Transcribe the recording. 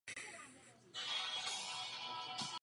Tato investice do budoucnosti je naprosto nezbytná.